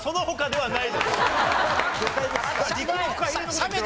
はい。